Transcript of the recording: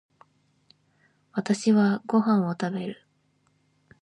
私はご飯を食べる。